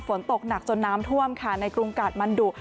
ฝนตกหนักจนน้ำท่วมค่ะในกรุงกาดมันดุ